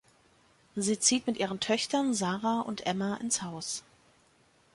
Sie zieht mit ihren Töchtern Sarah und Emma ins Haus.